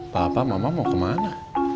bapak mama mau kemana